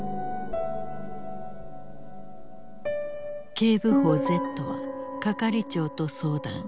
警部補Ｚは係長と相談。